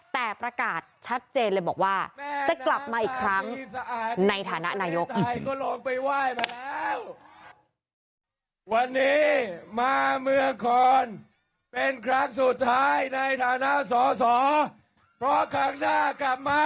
แต่ประกาศชัดเจนเลยบอกว่าจะกลับมาอีกครั้งในฐานะนายก